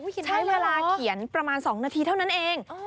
ใช้เวลาเขียนประมาณ๒นาทีเท่านั้นเอง